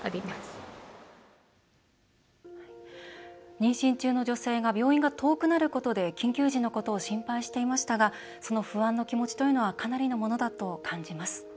妊娠中の女性が病院が遠くなることで緊急時のことを心配していましたがその不安という気持ちはかなりのものだと感じます。